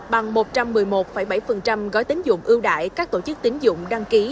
bằng một trăm một mươi một bảy gói tính dụng ưu đại các tổ chức tính dụng đăng ký